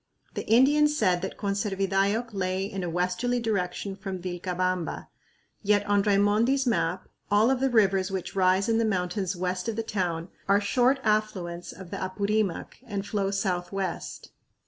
The Indians said that Conservidayoc lay in a westerly direction from Vilcabamba, yet on Raimondi's map all of the rivers which rise in the mountains west of the town are short affluents of the Apurimac and flow southwest.